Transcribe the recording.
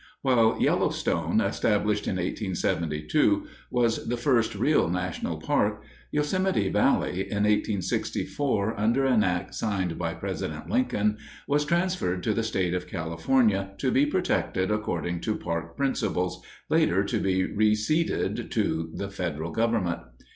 While Yellowstone, established in 1872, was the first real national park, Yosemite Valley, in 1864, under an act signed by President Lincoln, was transferred to the State of California to be protected according to park principles, later to be re ceded to the Federal Government.